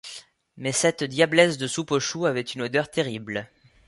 Mais cette diablesse de soupe aux choux avait une odeur terrible.